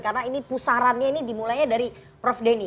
karena ini pusarannya ini dimulainya dari prof denny